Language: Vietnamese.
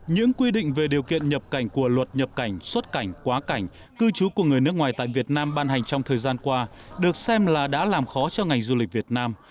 những quy định về điều kiện nhập cảnh của luật nhập cảnh xuất cảnh quá cảnh cư trú của người nước ngoài tại việt nam ban hành trong thời gian qua được xem là đã làm khó cho ngành du lịch việt nam